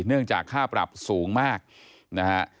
เนื่องจากค่าปรับสูงมากนะฮะ